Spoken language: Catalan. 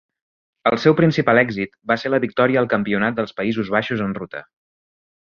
El seu principal èxit va ser la victòria al Campionat dels Països Baixos en ruta.